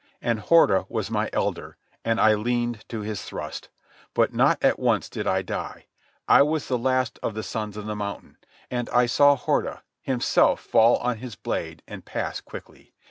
And Horda was my elder, and I leaned to his thrust. But not at once did I die. I was the last of the Sons of the Mountain, for I saw Horda, himself fall on his blade and pass quickly.